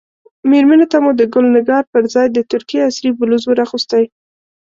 مېرمنې ته مو د ګل نګار پر ځای د ترکیې عصري بلوز ور اغوستی.